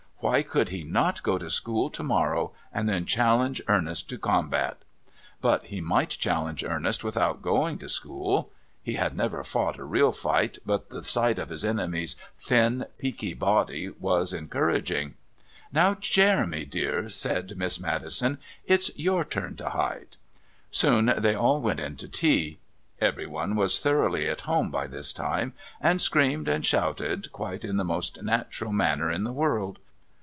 Why could he not go to school to morrow, and then challenge Ernest to combat? But he might challenge Ernest without going to school... He had never fought a real fight, but the sight of his enemy's thin, peaky body was encouraging. "Now, Jeremy, dear," said Miss Maddison, "it's your turn to hide..." Soon they all went in to tea. Everyone was thoroughly at home by this time, and screamed and shouted quite in the most natural manner in the world.